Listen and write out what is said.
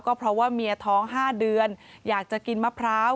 ก็เพราะว่าเมียท้อง๕เดือนอยากจะกินมะพร้าว